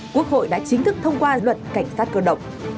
quốc hội đã chính thức thông qua luật cảnh sát cơ động